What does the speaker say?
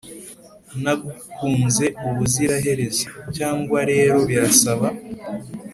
nagukunze ubuziraherezo, cyangwa rero birasa.